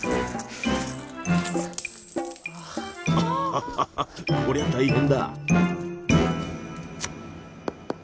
アハハハこりゃ大変だ。